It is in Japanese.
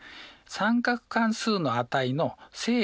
三角関数の値の正か負か